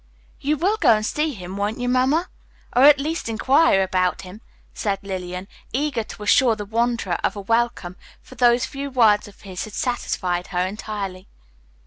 "You will go and see him, won't you, Mamma, or at least inquire about him?" said Lillian, eager to assure the wanderer of a welcome, for those few words of his had satisfied her entirely.